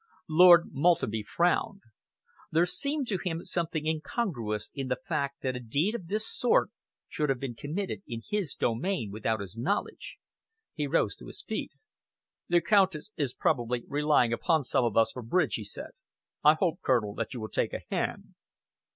Lord Maltenby frowned. There seemed to him something incongruous in the fact that a deed of this sort should have been committed in his domain without his knowledge. He rose to his feet. "The Countess is probably relying upon some of us for bridge," he said. "I hope, Colonel, that you will take a hand."